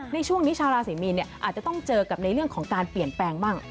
ในช่วงนี้ชาวราศรีมีนอาจจะต้องเจอกับในเรื่องของการเปลี่ยนแปลงบ้าง